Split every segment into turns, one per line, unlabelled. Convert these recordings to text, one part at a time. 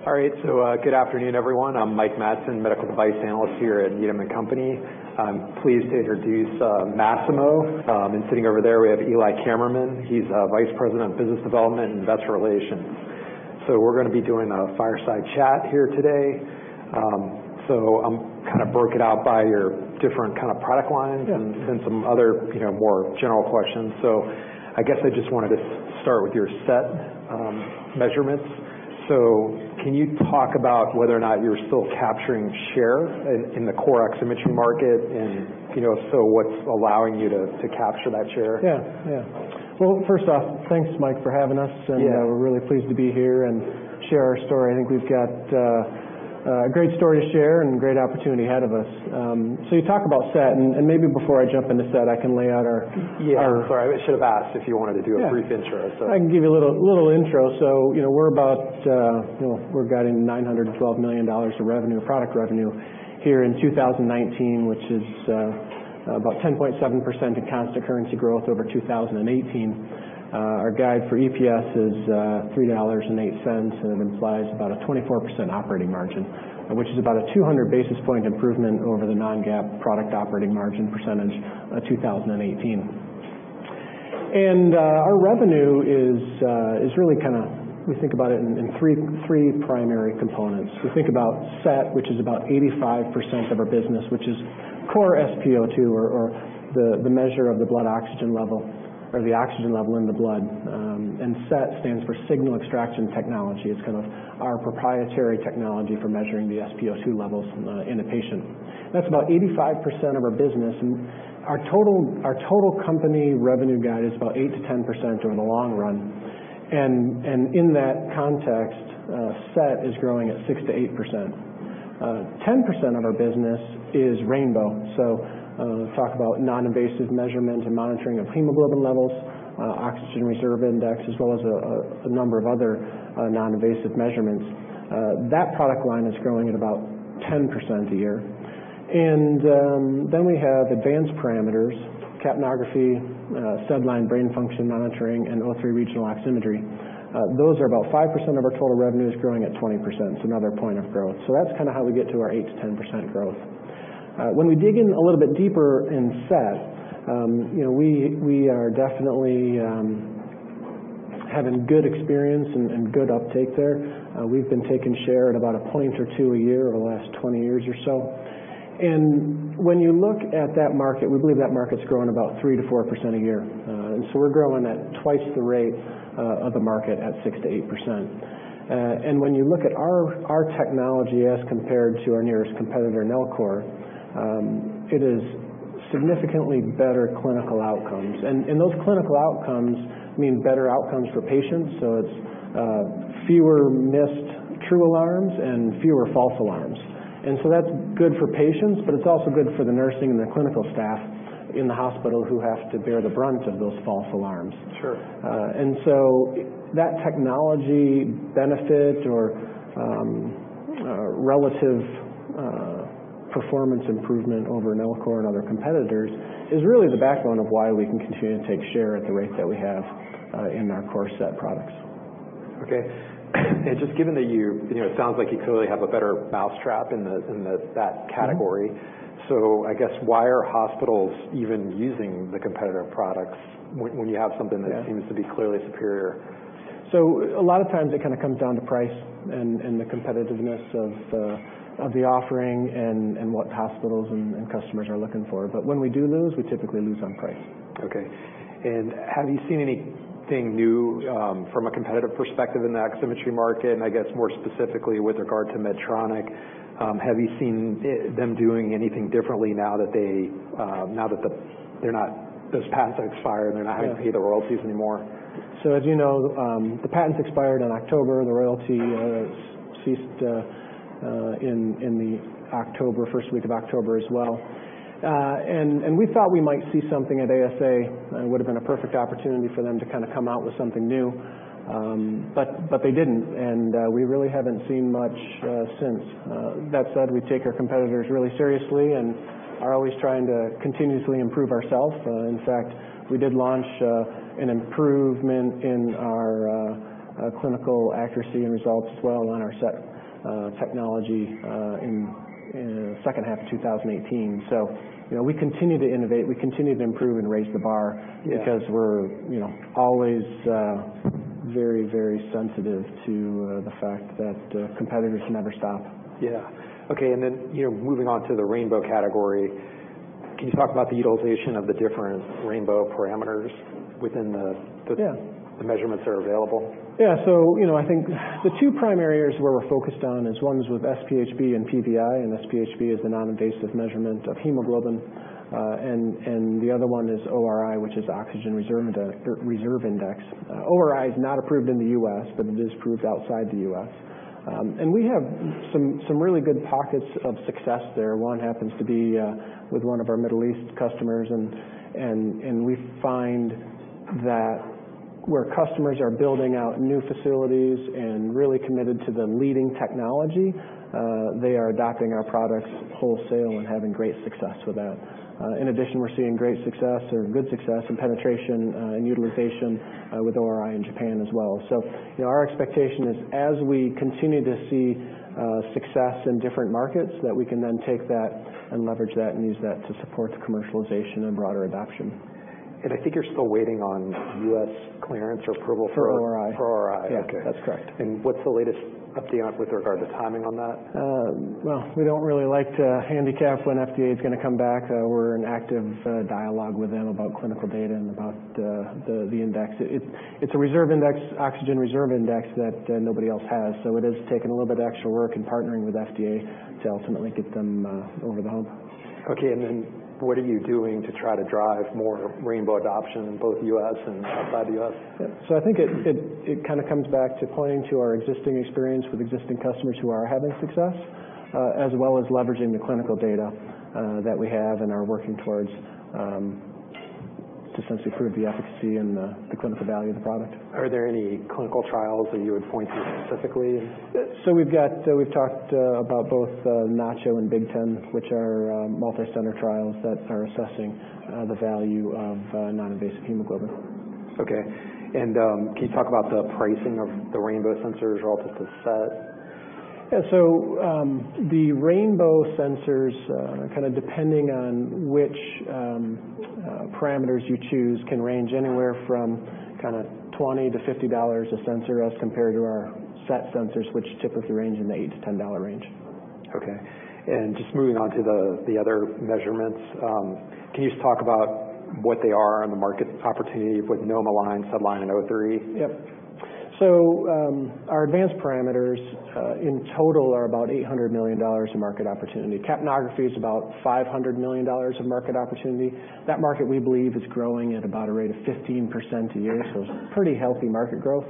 All right, so good afternoon, everyone. I'm Mike Matson, Medical Device Analyst here at Needham & Company. I'm pleased to introduce Masimo. And sitting over there, we have Eli Kammerman. He's Vice President of Business Development and Investor Relations. So we're going to be doing a fireside chat here today. So I'm kind of broken out by your different kind of product lines and some other more general questions. So I guess I just wanted to start with your SET measurements. So can you talk about whether or not you're still capturing share in the core oximetry market? And if so, what's allowing you to capture that share?
Yeah, yeah, well, first off, thanks, Mike, for having us, and we're really pleased to be here and share our story. I think we've got a great story to share and a great opportunity ahead of us, so you talk about SET, and maybe before I jump into SET, I can lay out our-.
Yeah, sorry. I should have asked if you wanted to do a brief intro.
I can give you a little intro. So we're guiding $912 million of revenue, product revenue, here in 2019, which is about 10.7% in constant currency growth over 2018. Our guide for EPS is $3.08, and it implies about a 24% operating margin, which is about a 200 basis points improvement over the non-GAAP product operating margin percentage of 2018. Our revenue is really kind of we think about it in three primary components. We think about SET, which is about 85% of our business, which is core SpO2, or the measure of the blood oxygen level, or the oxygen level in the blood. And SET stands for Signal Extraction Technology. It's kind of our proprietary technology for measuring the SpO2 levels in a patient. That's about 85% of our business. And our total company revenue guide is about 8%-10% over the long run. And in that context, SET is growing at 6%-8%. 10% of our business is Rainbow. So talk about non-invasive measurement and monitoring of hemoglobin levels, Oxygen Reserve Index, as well as a number of other non-invasive measurements. That product line is growing at about 10% a year. And then we have advanced parameters, capnography, SedLine, brain function monitoring, and O3 Regional Oximetry. Those are about 5% of our total revenue, is growing at 20%. It's another point of growth. So that's kind of how we get to our 8%-10% growth. When we dig in a little bit deeper in SET, we are definitely having good experience and good uptake there. We've been taking share at about a point or two a year over the last 20 years or so. When you look at that market, we believe that market's growing about 3%-4% a year. We're growing at twice the rate of the market at 6%-8%. When you look at our technology as compared to our nearest competitor, Nellcor, it is significantly better clinical outcomes. Those clinical outcomes mean better outcomes for patients. It's fewer missed true alarms and fewer false alarms. That's good for patients, but it's also good for the nursing and the clinical staff in the hospital who have to bear the brunt of those false alarms. That technology benefit or relative performance improvement over Nellcor and other competitors is really the backbone of why we can continue to take share at the rate that we have in our core SET products.
Okay. And just given that you—it sounds like you clearly have a better mousetrap in that category. So I guess, why are hospitals even using the competitive products when you have something that seems to be clearly superior?
So a lot of times, it kind of comes down to price and the competitiveness of the offering and what hospitals and customers are looking for. But when we do lose, we typically lose on price.
Okay. And have you seen anything new from a competitive perspective in the oximetry market? And I guess more specifically with regard to Medtronic, have you seen them doing anything differently now that those patents expired and they're not having to pay the royalties anymore?
So as you know, the patents expired in October. The royalty ceased in the first week of October as well. And we thought we might see something at ASA. It would have been a perfect opportunity for them to kind of come out with something new. But they didn't. And we really haven't seen much since. That said, we take our competitors really seriously and are always trying to continuously improve ourselves. In fact, we did launch an improvement in our clinical accuracy and results as well on our SET technology in the second half of 2018. So we continue to innovate. We continue to improve and raise the bar because we're always very, very sensitive to the fact that competitors never stop.
Yeah. Okay. And then moving on to the Rainbow category, can you talk about the utilization of the different Rainbow parameters within the measurements that are available?
Yeah. So I think the two primary areas where we're focused on is ones with SpHb and PVI. And SpHb is the non-invasive measurement of hemoglobin. And the other one is ORI, which is Oxygen Reserve Index. ORI is not approved in the U.S., but it is approved outside the U.S. And we have some really good pockets of success there. One happens to be with one of our Middle East customers. And we find that where customers are building out new facilities and really committed to the leading technology, they are adopting our products wholesale and having great success with that. In addition, we're seeing great success or good success in penetration and utilization with ORI in Japan as well. So our expectation is, as we continue to see success in different markets, that we can then take that and leverage that and use that to support the commercialization and broader adoption.
I think you're still waiting on U.S. clearance or approval for.
For ORI.
For ORI. Okay.
That's correct.
What's the latest update with regard to timing on that?
We don't really like to handicap when FDA is going to come back. We're in active dialogue with them about clinical data and about the index. It's a reserve index, Oxygen Reserve Index, that nobody else has. So it is taking a little bit of extra work and partnering with FDA to ultimately get them over the hump.
Okay, and then what are you doing to try to drive more Rainbow adoption in both the U.S. and outside the U.S.?
Yeah. So I think it kind of comes back to pointing to our existing experience with existing customers who are having success, as well as leveraging the clinical data that we have and are working towards to essentially prove the efficacy and the clinical value of the product.
Are there any clinical trials that you would point to specifically?
We've talked about both NACHO and Big 10, which are multicenter trials that are assessing the value of non-invasive hemoglobin.
Okay. And can you talk about the pricing of the Rainbow sensors relative to SET?
Yeah. The Rainbow sensors, kind of depending on which parameters you choose, can range anywhere from kind of $20 to $50 a sensor as compared to our SET sensors, which typically range in the $8 to $10 range.
Okay. And just moving on to the other measurements, can you just talk about what they are and the market opportunity with NomoLine, SedLine, and O3?
Yep. So our advanced parameters in total are about $800 million of market opportunity. Capnography is about $500 million of market opportunity. That market, we believe, is growing at about a rate of 15% a year. So it's pretty healthy market growth.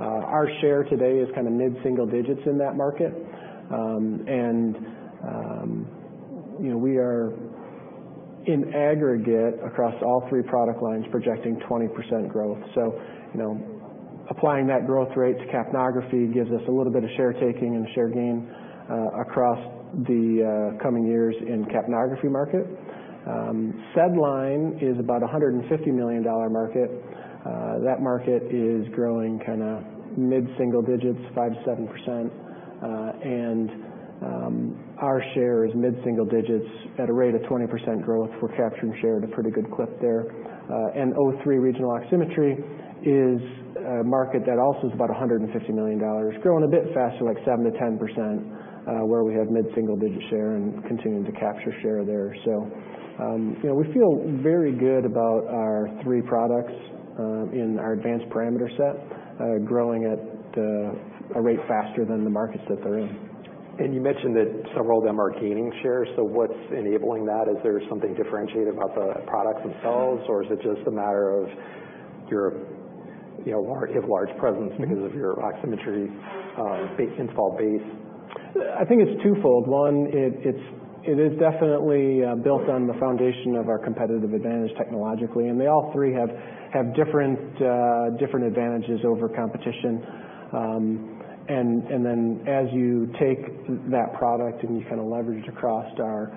Our share today is kind of mid-single digits in that market. And we are, in aggregate, across all three product lines, projecting 20% growth. So applying that growth rate to capnography gives us a little bit of share taking and share gain across the coming years in capnography market. SedLine is about a $150 million market. That market is growing kind of mid-single digits, 5% to 7%. And our share is mid-single digits at a rate of 20% growth. We're capturing share at a pretty good clip there. O3 Regional Oximetry is a market that also is about $150 million, growing a bit faster, like 7%-10%, where we have mid-single-digit share and continuing to capture share there. We feel very good about our three products in our advanced parameter SET, growing at a rate faster than the markets that they're in.
You mentioned that several of them are gaining share. So what's enabling that? Is there something differentiating about the products themselves? Or is it just a matter of you have a large presence because of your oximetry install base?
I think it's twofold. One, it is definitely built on the foundation of our competitive advantage technologically, and they all three have different advantages over competition, and then as you take that product and you kind of leverage it across our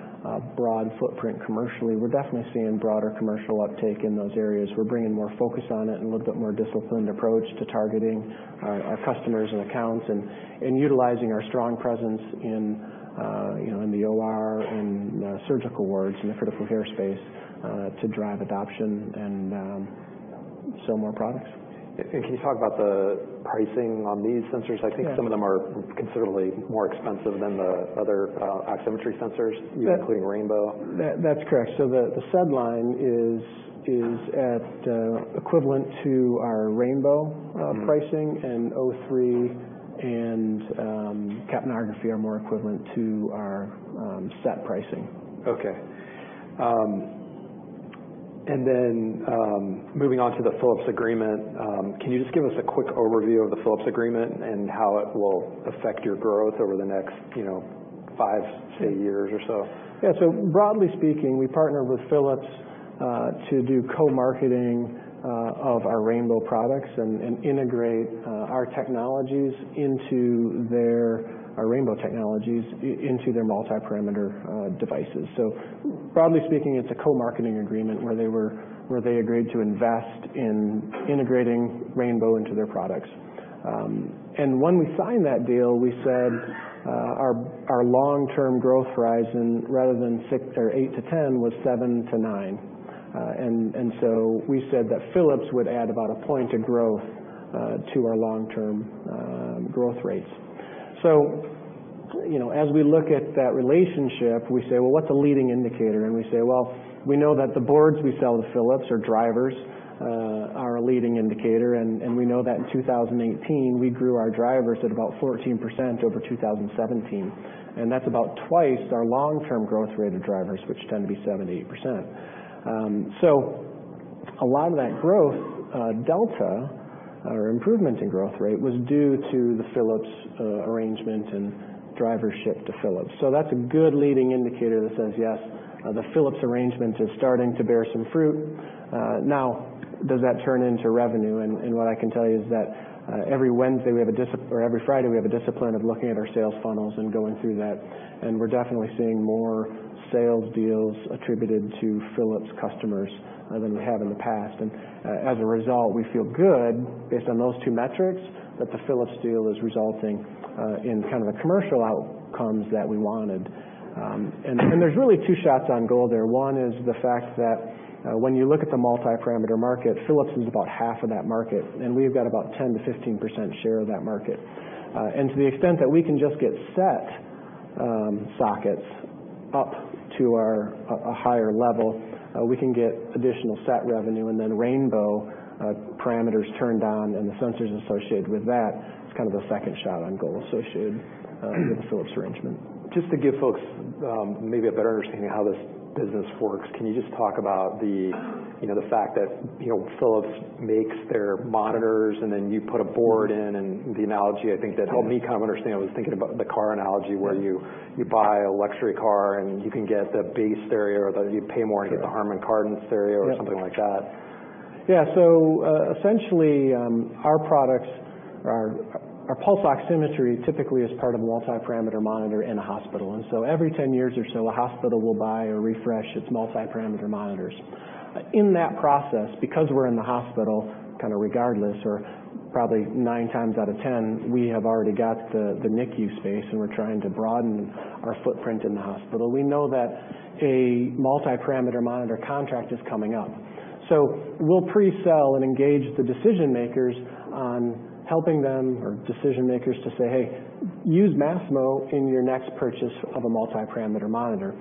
broad footprint commercially, we're definitely seeing broader commercial uptake in those areas. We're bringing more focus on it and a little bit more disciplined approach to targeting our customers and accounts and utilizing our strong presence in the OR and surgical wards in the critical care space to drive adoption and sell more products.
Can you talk about the pricing on these sensors? I think some of them are considerably more expensive than the other oximetry sensors, including Rainbow.
That's correct, so the SedLine is equivalent to our Rainbow pricing, and O3 and capnography are more equivalent to our SET pricing.
Okay. And then moving on to the Philips agreement, can you just give us a quick overview of the Philips agreement and how it will affect your growth over the next five, say, years or so?
Yeah. So broadly speaking, we partnered with Philips to do co-marketing of our Rainbow products and integrate our technologies into their multiparameter devices. So broadly speaking, it's a co-marketing agreement where they agreed to invest in integrating Rainbow into their products. And when we signed that deal, we said our long-term growth horizon, rather than 8%-10%, was 7%-9%. And so we said that Philips would add about a point of growth to our long-term growth rates. So as we look at that relationship, we say, well, what's a leading indicator? And we say, well, we know that the boards we sell to Philips or drivers are a leading indicator. And we know that in 2018, we grew our drivers at about 14% over 2017. And that's about twice our long-term growth rate of drivers, which tend to be 7%-8%. So a lot of that growth delta or improvement in growth rate was due to the Philips arrangement and driver shipment to Philips. So that's a good leading indicator that says, yes, the Philips arrangement is starting to bear some fruit. Now, does that turn into revenue? And what I can tell you is that every Wednesday or every Friday we have a discipline of looking at our sales funnels and going through that. And we're definitely seeing more sales deals attributed to Philips customers than we have in the past. And as a result, we feel good based on those two metrics that the Philips deal is resulting in kind of the commercial outcomes that we wanted. And there's really two shots on goal there. One is the fact that when you look at the multiparameter market, Philips is about half of that market. We've got about 10%-15% share of that market. To the extent that we can just get SET sockets up to a higher level, we can get additional SET revenue. Then Rainbow parameters turned on and the sensors associated with that, it's kind of the second shot on goal associated with the Philips arrangement.
Just to give folks maybe a better understanding of how this business works, can you just talk about the fact that Philips makes their monitors and then you put a board in? And the analogy I think that helped me kind of understand, I was thinking about the car analogy where you buy a luxury car and you can get the base stereo or you pay more and get the Harman Kardon stereo or something like that.
Yeah. So essentially, our products, our pulse oximetry typically is part of a multiparameter monitor in a hospital. And so every 10 years or so, a hospital will buy or refresh its multiparameter monitors. In that process, because we're in the hospital kind of regardless, or probably nine times out of 10, we have already got the NICU space and we're trying to broaden our footprint in the hospital. We know that a multiparameter monitor contract is coming up. So we'll pre-sell and engage the decision makers on helping them or decision makers to say, hey, use Masimo in your next purchase of a multiparameter monitor.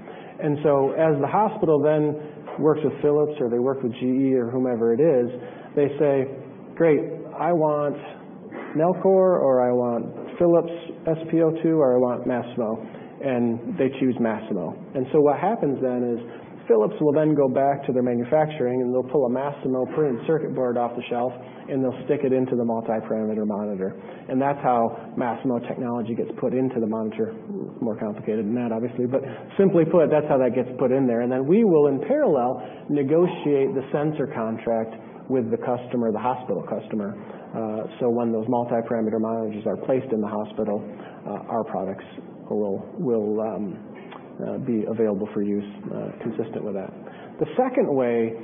And so as the hospital then works with Philips or they work with GE or whomever it is, they say, great, I want Nellcor, or I want Philips SpO2, or I want Masimo. And they choose Masimo. What happens then is Philips will then go back to their manufacturing and they'll pull a Masimo printed circuit board off the shelf and they'll stick it into the multiparameter monitor. And that's how Masimo technology gets put into the monitor. It's more complicated than that, obviously. But simply put, that's how that gets put in there. And then we will, in parallel, negotiate the sensor contract with the customer, the hospital customer. So when those multiparameter monitors are placed in the hospital, our products will be available for use consistent with that. The second way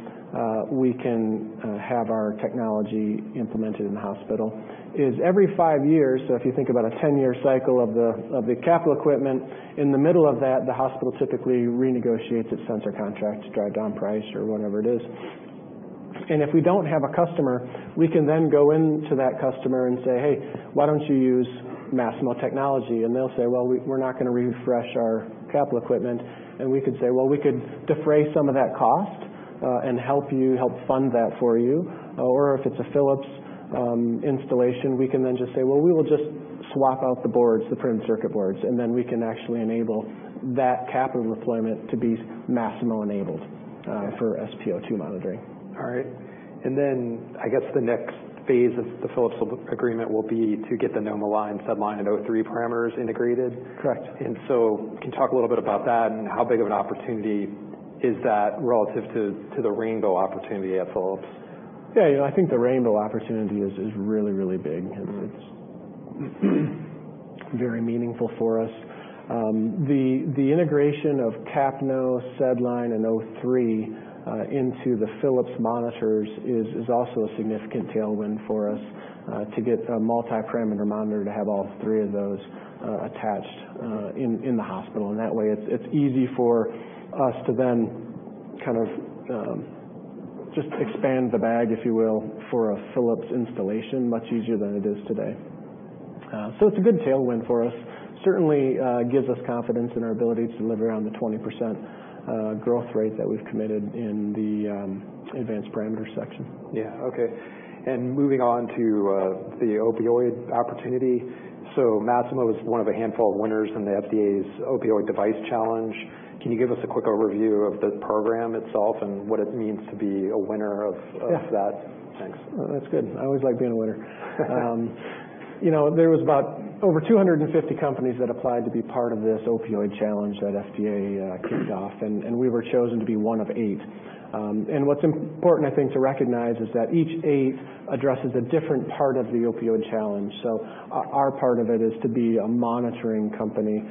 we can have our technology implemented in the hospital is every five years. So if you think about a 10-year cycle of the capital equipment, in the middle of that, the hospital typically renegotiates its sensor contract to drive down price or whatever it is. And if we don't have a customer, we can then go into that customer and say, "Hey, why don't you use Masimo technology?" And they'll say, "Well, we're not going to refresh our capital equipment." And we could say, "Well, we could defray some of that cost and help you help fund that for you." Or if it's a Philips installation, we can then just say, "Well, we will just swap out the boards, the printed circuit boards." And then we can actually enable that capital deployment to be Masimo enabled for SpO2 monitoring.
All right. And then I guess the next phase of the Philips agreement will be to get the NomoLine, SedLine, and O3 parameters integrated.
Correct.
Can you talk a little bit about that and how big of an opportunity is that relative to the rainbow opportunity at Philips?
Yeah. I think the Rainbow opportunity is really, really big. It's very meaningful for us. The integration of capno, SedLine, and O3 into the Philips monitors is also a significant tailwind for us to get a multiparameter monitor to have all three of those attached in the hospital. And that way, it's easy for us to then kind of just expand the bag, if you will, for a Philips installation much easier than it is today, so it's a good tailwind for us. Certainly gives us confidence in our ability to deliver around the 20% growth rate that we've committed in the advanced parameter section.
Yeah. Okay. And moving on to the opioid opportunity. So Masimo is one of a handful of winners in the FDA's opioid device challenge. Can you give us a quick overview of the program itself and what it means to be a winner of that?
Yes.
Thanks.
That's good. I always like being a winner. There was about over 250 companies that applied to be part of this opioid challenge that FDA kicked off. And we were chosen to be one of eight. And what's important, I think, to recognize is that each of the eight addresses a different part of the opioid challenge. So our part of it is to be a monitoring company,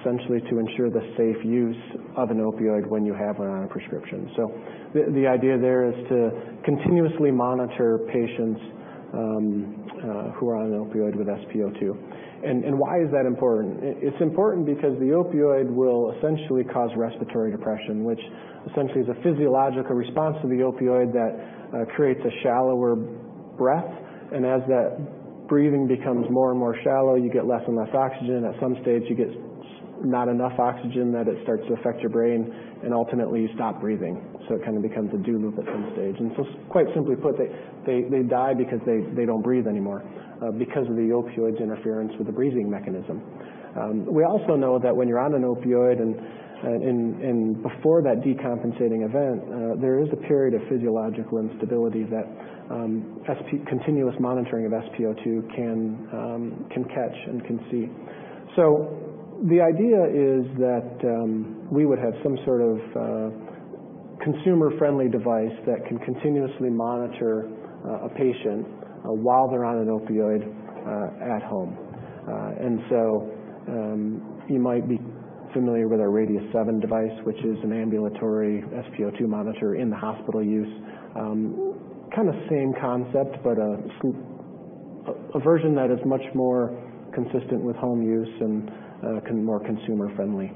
essentially to ensure the safe use of an opioid when you have one on a prescription. So the idea there is to continuously monitor patients who are on an opioid with SpO2. And why is that important? It's important because the opioid will essentially cause respiratory depression, which essentially is a physiological response to the opioid that creates a shallower breath. And as that breathing becomes more and more shallow, you get less and less oxygen. At some stage, you get not enough oxygen that it starts to affect your brain. And ultimately, you stop breathing. So it kind of becomes a do loop at some stage. And so quite simply put, they die because they don't breathe anymore because of the opioid's interference with the breathing mechanism. We also know that when you're on an opioid and before that decompensating event, there is a period of physiological instability that continuous monitoring of SpO2 can catch and can see. So the idea is that we would have some sort of consumer-friendly device that can continuously monitor a patient while they're on an opioid at home. And so you might be familiar with our Radius-7 device, which is an ambulatory SpO2 monitor in the hospital use. Kind of same concept, but a version that is much more consistent with home use and more consumer-friendly.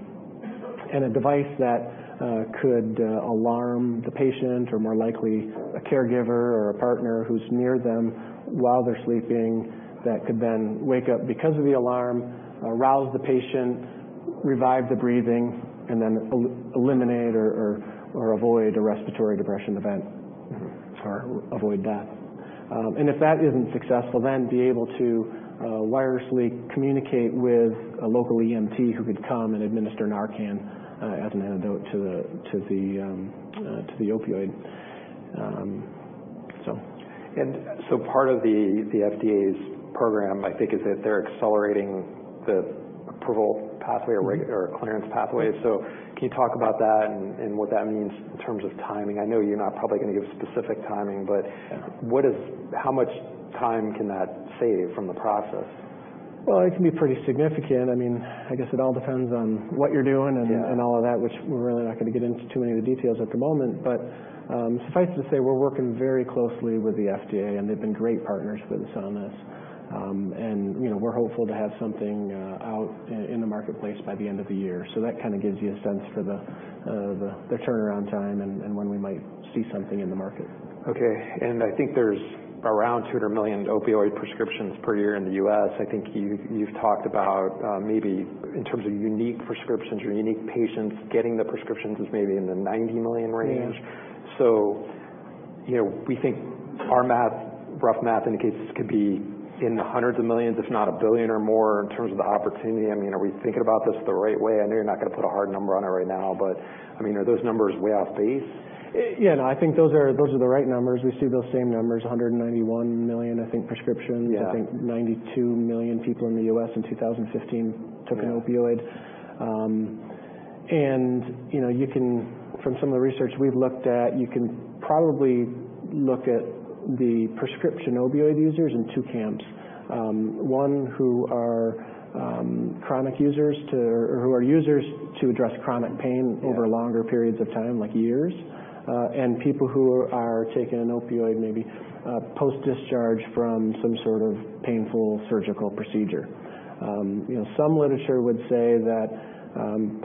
A device that could alarm the patient or more likely a caregiver or a partner who's near them while they're sleeping that could then wake up because of the alarm, arouse the patient, revive the breathing, and then eliminate or avoid a respiratory depression event or avoid death. If that isn't successful, then be able to wirelessly communicate with a local EMT who could come and administer Narcan as an antidote to the opioid.
And so part of the FDA's program, I think, is that they're accelerating the approval pathway or clearance pathway. So can you talk about that and what that means in terms of timing? I know you're not probably going to give specific timing. But how much time can that save from the process?
It can be pretty significant. I mean, I guess it all depends on what you're doing and all of that, which we're really not going to get into too many of the details at the moment. Suffice to say, we're working very closely with the FDA. They've been great partners with us on this. We're hopeful to have something out in the marketplace by the end of the year. That kind of gives you a sense for the turnaround time and when we might see something in the market.
Okay. And I think there's around 200 million opioid prescriptions per year in the U.S. I think you've talked about maybe in terms of unique prescriptions or unique patients getting the prescriptions is maybe in the 90 million range. So we think our math, rough math indicates this could be in the hundreds of millions, if not a billion or more in terms of the opportunity. I mean, are we thinking about this the right way? I know you're not going to put a hard number on it right now. But I mean, are those numbers way off base?
Yeah. No, I think those are the right numbers. We see those same numbers, 191 million, I think, prescriptions. I think 92 million people in the U.S. in 2015 took an opioid. And from some of the research we've looked at, you can probably look at the prescription opioid users in two camps. One who are chronic users or who are users to address chronic pain over longer periods of time, like years, and people who are taking an opioid maybe post-discharge from some sort of painful surgical procedure. Some literature would say that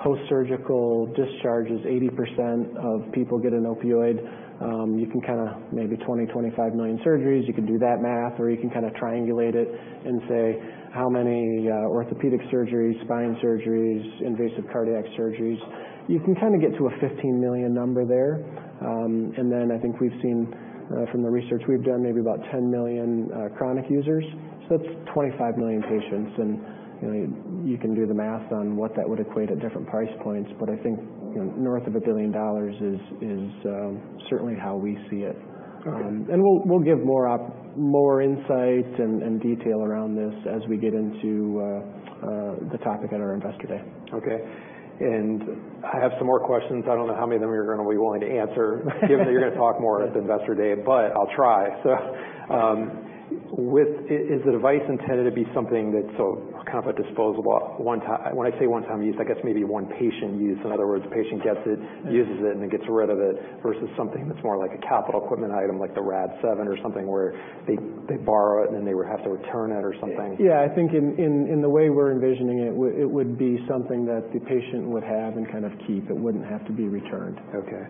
post-surgical discharges, 80% of people get an opioid. You can kind of maybe 20-25 million surgeries. You can do that math. Or you can kind of triangulate it and say how many orthopedic surgeries, spine surgeries, invasive cardiac surgeries. You can kind of get to a 15 million number there. And then I think we've seen from the research we've done maybe about 10 million chronic users. So that's 25 million patients. And you can do the math on what that would equate at different price points. But I think north of $1 billion is certainly how we see it. And we'll give more insight and detail around this as we get into the topic at our investor day.
Okay. And I have some more questions. I don't know how many of them you're going to be willing to answer given that you're going to talk more at the investor day. But I'll try. So is the device intended to be something that's kind of a disposable one-time? When I say one-time use, I guess maybe one patient use. In other words, a patient gets it, uses it, and then gets rid of it versus something that's more like a capital equipment item like the Radius-7 or something where they borrow it and then they would have to return it or something.
Yeah. I think in the way we're envisioning it, it would be something that the patient would have and kind of keep. It wouldn't have to be returned.
Okay.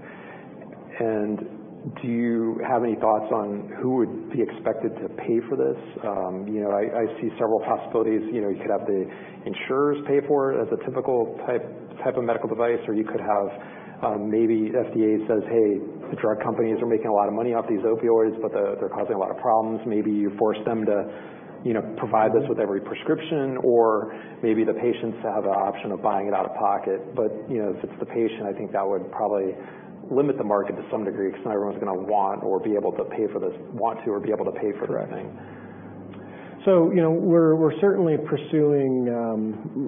And do you have any thoughts on who would be expected to pay for this? I see several possibilities. You could have the insurers pay for it as a typical type of medical device. Or you could have maybe FDA says, hey, the drug companies are making a lot of money off these opioids, but they're causing a lot of problems. Maybe you force them to provide this with every prescription. Or maybe the patients have the option of buying it out of pocket. But if it's the patient, I think that would probably limit the market to some degree because not everyone's going to want or be able to pay for this, want to or be able to pay for the thing.
So we're certainly pursuing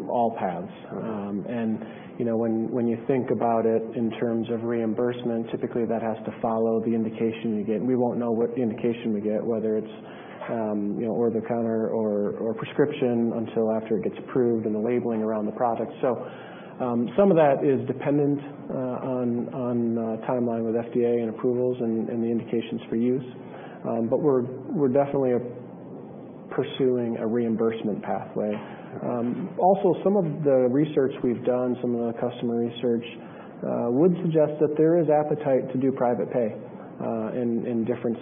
all paths. And when you think about it in terms of reimbursement, typically that has to follow the indication you get. And we won't know what indication we get, whether it's over-the-counter or prescription until after it gets approved and the labeling around the product. So some of that is dependent on timeline with FDA and approvals and the indications for use. But we're definitely pursuing a reimbursement pathway. Also, some of the research we've done, some of the customer research would suggest that there is appetite to do private pay in different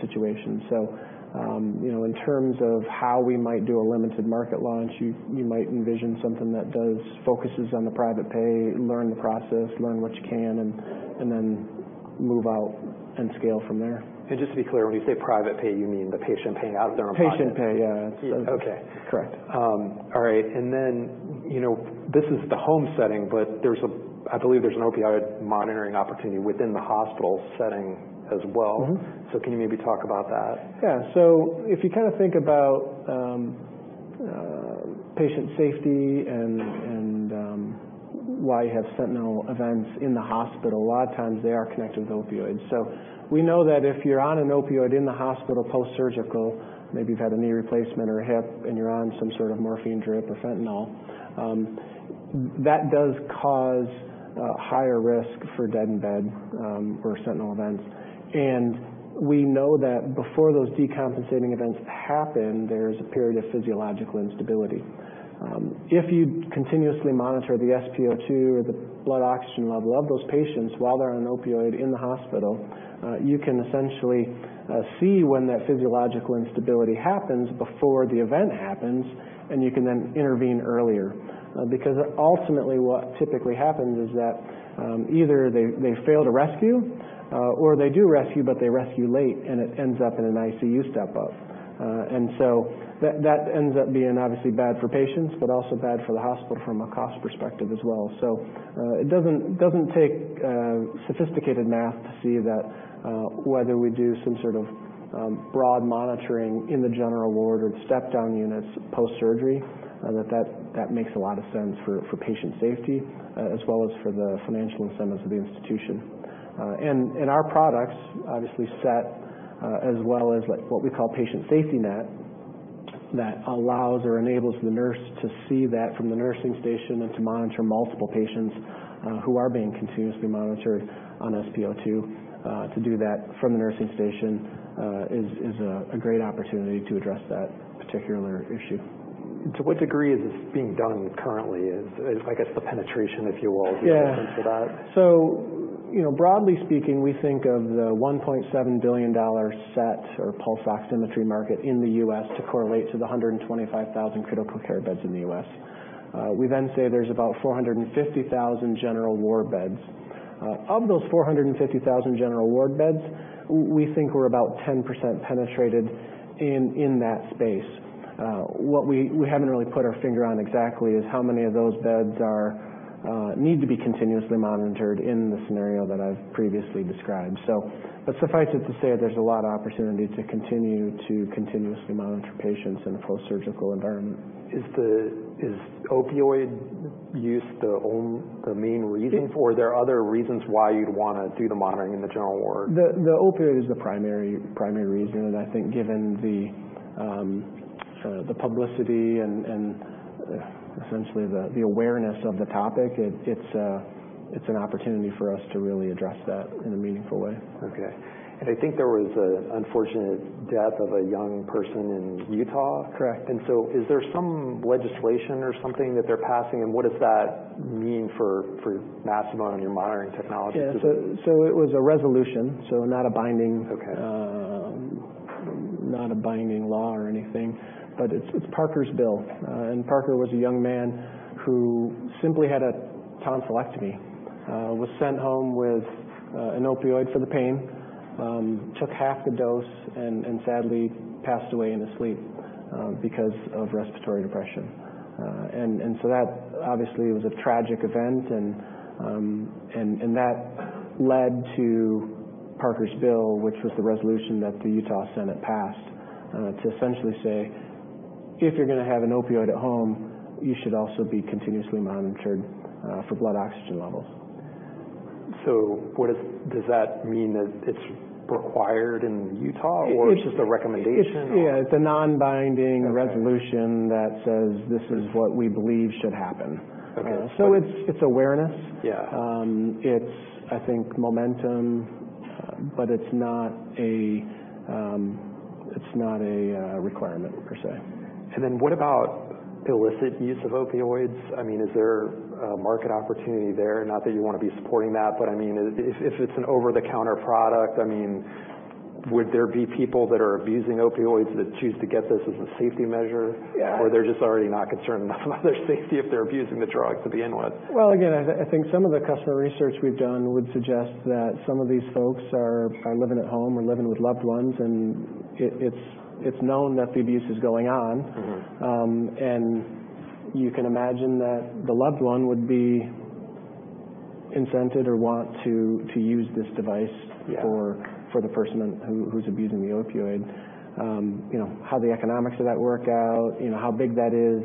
situations. So in terms of how we might do a limited market launch, you might envision something that focuses on the private pay, learn the process, learn what you can, and then move out and scale from there.
Just to be clear, when you say private pay, you mean the patient paying out of their own pocket?
Patient pay, yeah.
Okay.
Correct.
All right. And then this is the home setting. But I believe there's an opioid monitoring opportunity within the hospital setting as well. So can you maybe talk about that?
Yeah. So if you kind of think about patient safety and why you have sentinel events in the hospital, a lot of times they are connected with opioids. So we know that if you're on an opioid in the hospital post-surgical, maybe you've had a knee replacement or a hip, and you're on some sort of morphine drip or fentanyl, that does cause higher risk for death in bed or sentinel events. And we know that before those decompensating events happen, there is a period of physiological instability. If you continuously monitor the SpO2 or the blood oxygen level of those patients while they're on an opioid in the hospital, you can essentially see when that physiological instability happens before the event happens. And you can then intervene earlier. Because ultimately, what typically happens is that either they fail to rescue or they do rescue, but they rescue late. It ends up in an ICU step-up. That ends up being obviously bad for patients, but also bad for the hospital from a cost perspective as well. It doesn't take sophisticated math to see that whether we do some sort of broad monitoring in the general ward or the step-down units post-surgery, that that makes a lot of sense for patient safety as well as for the financial incentives of the institution. Our products obviously SET as well as what we call Patient SafetyNet that allows or enables the nurse to see that from the nursing station and to monitor multiple patients who are being continuously monitored on SpO2. To do that from the nursing station is a great opportunity to address that particular issue.
To what degree is this being done currently? I guess the penetration, if you will, is the difference for that.
Yeah. So broadly speaking, we think of the $1.7 billion SET pulse oximetry market in the U.S. to correlate to the 125,000 critical care beds in the U.S. We then say there's about 450,000 general ward beds. Of those 450,000 general ward beds, we think we're about 10% penetrated in that space. What we haven't really put our finger on exactly is how many of those beds need to be continuously monitored in the scenario that I've previously described. But suffice it to say there's a lot of opportunity to continue to continuously monitor patients in a post-surgical environment.
Is opioid use the main reason? Or are there other reasons why you'd want to do the monitoring in the general ward?
The opioid is the primary reason, and I think given the publicity and essentially the awareness of the topic, it's an opportunity for us to really address that in a meaningful way.
Okay. And I think there was an unfortunate death of a young person in Utah.
Correct.
And so is there some legislation or something that they're passing? And what does that mean for Masimo on your monitoring technology?
Yeah, so it was a resolution, so not a binding law or anything. But it's Parker's Bill. And Parker was a young man who simply had a tonsillectomy, was sent home with an opioid for the pain, took half the dose, and sadly passed away in his sleep because of respiratory depression. And so that obviously was a tragic event. And that led to Parker's Bill, which was the resolution that the Utah Senate passed to essentially say if you're going to have an opioid at home, you should also be continuously monitored for blood oxygen levels.
So does that mean that it's required in Utah? Or it's just a recommendation?
Yeah. It's a non-binding resolution that says this is what we believe should happen. So it's awareness. It's, I think, momentum. But it's not a requirement per se.
And then what about illicit use of opioids? I mean, is there a market opportunity there? Not that you want to be supporting that. But I mean, if it's an over-the-counter product, I mean, would there be people that are abusing opioids that choose to get this as a safety measure? Or they're just already not concerned enough about their safety if they're abusing the drug to begin with?
Well, again, I think some of the customer research we've done would suggest that some of these folks are living at home or living with loved ones. And it's known that the abuse is going on. And you can imagine that the loved one would be incented or want to use this device for the person who's abusing the opioid. How the economics of that work out, how big that is,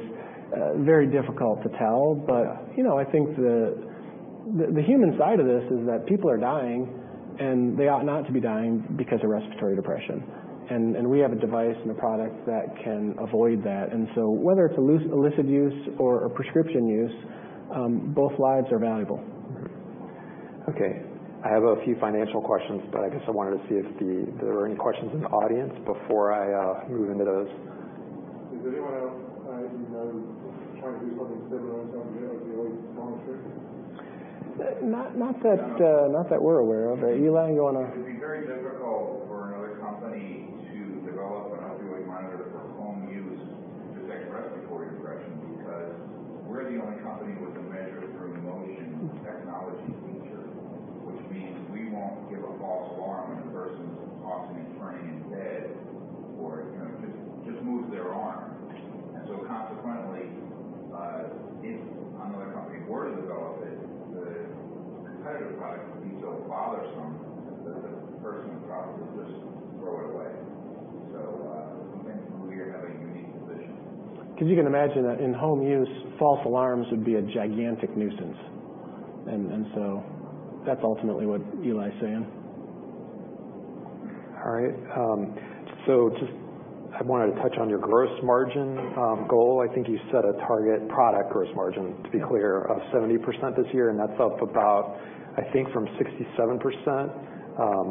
very difficult to tell. But I think the human side of this is that people are dying. And they ought not to be dying because of respiratory depression. And we have a device and a product that can avoid that. And so whether it's illicit use or prescription use, both lives are valuable.
Okay. I have a few financial questions. But I guess I wanted to see if there are any questions in the audience before I move into those.
Is there anyone else you know trying to do something similar to opioid monitoring?
Not that we're aware of. Eli, you want to?
It would be very difficult for another company to develop an opioid monitor for home use to detect respiratory depression because we're the only company with a Measure-through Motion technology feature, which means we won't give a false alarm when a person is turning in bed or just moves their arm, and so consequently, if another company were to develop it, the competitive product would be so bothersome that the person would probably just throw it away, so we think we have a unique position.
Because you can imagine that in home use, false alarms would be a gigantic nuisance, and so that's ultimately what Eli is saying.
All right. So just I wanted to touch on your gross margin goal. I think you set a target product gross margin, to be clear, of 70% this year. And that's up about, I think, from 67%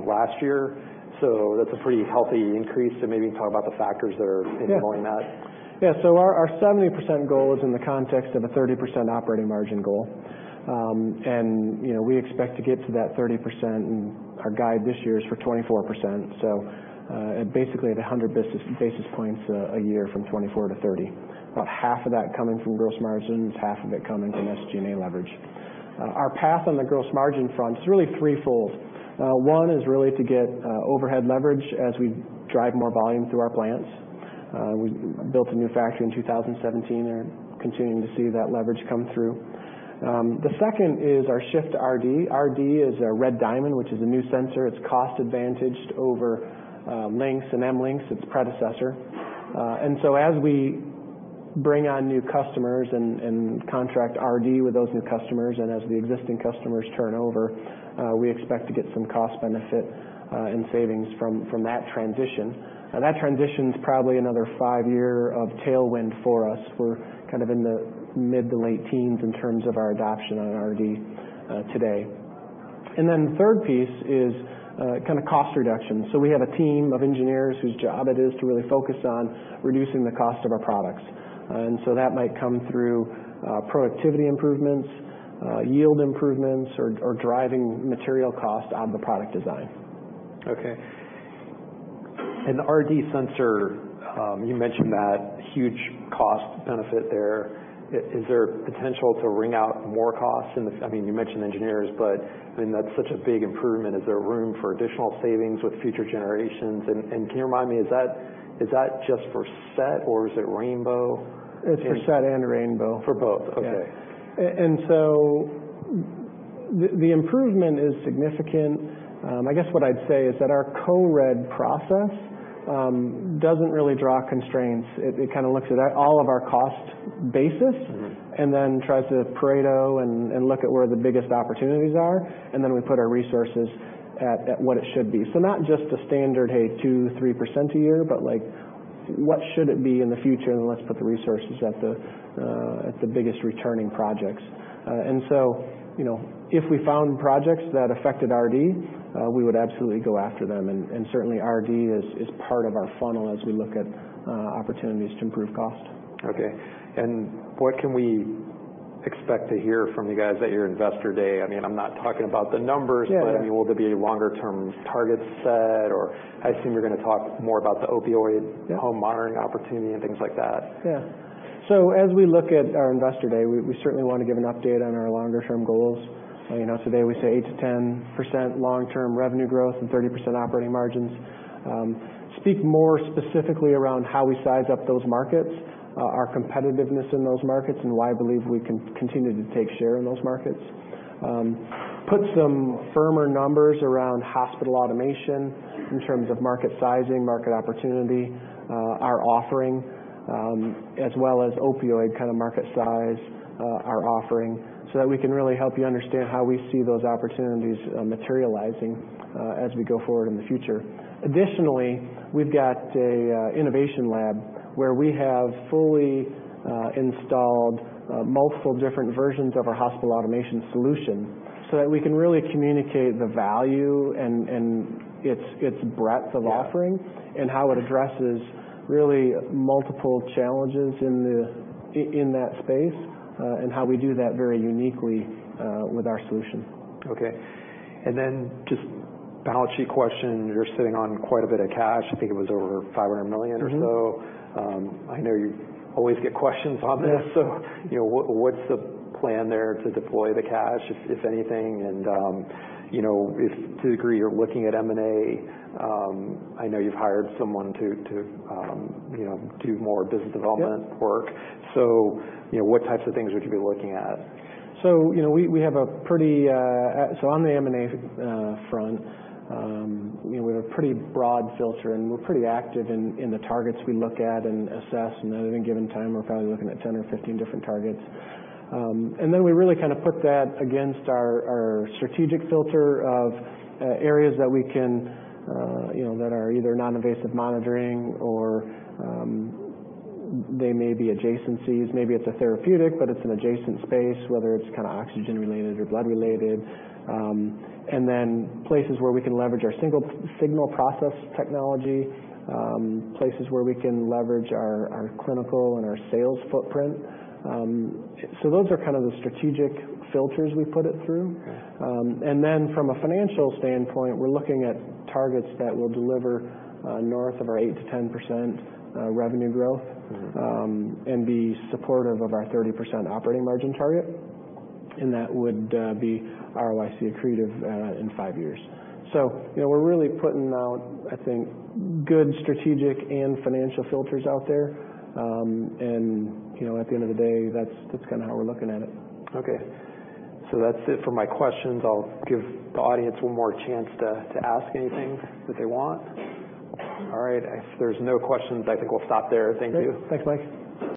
last year. So that's a pretty healthy increase. And maybe you can talk about the factors that are influencing that.
Yeah. So our 70% goal is in the context of a 30% operating margin goal. And we expect to get to that 30%. And our guide this year is for 24%. So basically at 100 basis points a year from 24 to 30. About half of that coming from gross margins, half of it coming from SG&A leverage. Our path on the gross margin front is really threefold. One is really to get overhead leverage as we drive more volume through our plants. We built a new factory in 2017. And we're continuing to see that leverage come through. The second is our shift to RD. RD is a Red Diamond, which is a new sensor. It's cost advantaged over LNCS and M-LNCS. Its predecessors. And so as we bring on new customers and contract RD with those new customers, and as the existing customers turn over, we expect to get some cost benefit and savings from that transition. And that transition is probably another five years of tailwind for us. We're kind of in the mid to late teens in terms of our adoption on RD today. And then the third piece is kind of cost reduction. So we have a team of engineers whose job it is to really focus on reducing the cost of our products. And so that might come through productivity improvements, yield improvements, or driving material costs on the product design.
Okay. And the RD sensor, you mentioned that huge cost benefit there. Is there potential to wring out more costs? I mean, you mentioned engineers. But I mean, that's such a big improvement. Is there room for additional savings with future generations? And can you remind me, is that just for SET? Or is it Rainbow?
It's for SET and Rainbow.
For both? Okay.
And so the improvement is significant. I guess what I'd say is that our core RD process doesn't really draw constraints. It kind of looks at all of our cost basis and then tries to prioritize and look at where the biggest opportunities are. And then we put our resources at what it should be. So not just a standard, hey, 2%, 3% a year, but what should it be in the future? And let's put the resources at the biggest returning projects. And so if we found projects that affected RD, we would absolutely go after them. And certainly, RD is part of our funnel as we look at opportunities to improve cost.
Okay. And what can we expect to hear from you guys at your investor day? I mean, I'm not talking about the numbers. But I mean, will there be longer-term targets set? Or I assume you're going to talk more about the opioid home monitoring opportunity and things like that.
Yeah. So as we look at our investor day, we certainly want to give an update on our longer-term goals. Today we say 8%-10% long-term revenue growth and 30% operating margins. Speak more specifically around how we size up those markets, our competitiveness in those markets, and why I believe we can continue to take share in those markets. Put some firmer numbers around hospital automation in terms of market sizing, market opportunity, our offering, as well as opioid kind of market size, our offering, so that we can really help you understand how we see those opportunities materializing as we go forward in the future. Additionally, we've got an innovation lab where we have fully installed multiple different versions of our hospital automation solution so that we can really communicate the value and its breadth of offering and how it addresses really multiple challenges in that space and how we do that very uniquely with our solution.
Okay. And then just balance sheet question. You're sitting on quite a bit of cash. I think it was over $500 million or so. I know you always get questions on this. So what's the plan there to deploy the cash, if anything? And to the degree you're looking at M&A, I know you've hired someone to do more business development work. So what types of things would you be looking at?
So on the M&A front, we have a pretty broad filter. And we're pretty active in the targets we look at and assess. And at any given time, we're probably looking at 10 or 15 different targets. And then we really kind of put that against our strategic filter of areas that are either non-invasive monitoring or they may be adjacencies. Maybe it's a therapeutic, but it's an adjacent space, whether it's kind of oxygen-related or blood-related. And then places where we can leverage our Signal Extraction Technology, places where we can leverage our clinical and our sales footprint. So those are kind of the strategic filters we put it through. And then from a financial standpoint, we're looking at targets that will deliver north of our 8%-10% revenue growth and be supportive of our 30% operating margin target. And that would be ROIC accretive in five years. So we're really putting out, I think, good strategic and financial filters out there. And at the end of the day, that's kind of how we're looking at it.
Okay. So that's it for my questions. I'll give the audience one more chance to ask anything that they want. All right. If there's no questions, I think we'll stop there. Thank you.
Thanks, Mike.